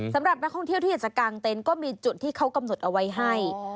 สำหรับนักท่องเที่ยวที่อยากจะกางเต็นต์ก็มีจุดที่เขากำหนดเอาไว้ให้